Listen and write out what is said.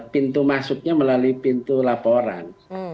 pintu masuknya melalui pintu laporan